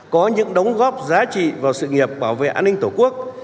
có những đóng góp giá trị vào sự nghiệp bảo vệ an ninh tổ quốc